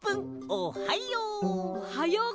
おはよう！